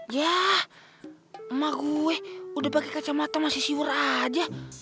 ya emak gue udah pakai kacamata masih siur aja